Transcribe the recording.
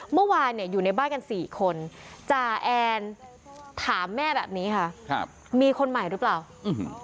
เมื่อวานเนี่ยอยู่ในบ้านกันสี่คนจ่าแอนถามแม่แบบนี้ค่ะครับมีคนใหม่หรือเปล่าอืม